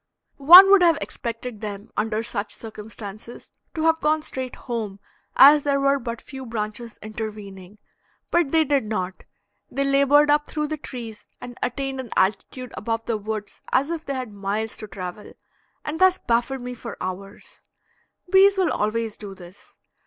One would have expected them under such circumstances to have gone straight home, as there were but few branches intervening, but they did not; they labored up through the trees and attained an altitude above the woods as if they had miles to travel, and thus baffled me for hours. Bees will always do this.